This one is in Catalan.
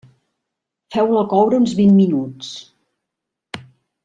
Feu-la coure uns vint minuts.